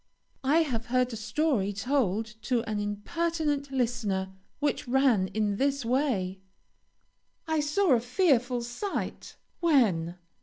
I have heard a story told to an impertinent listener, which ran in this way: "I saw a fearful sight " "When?"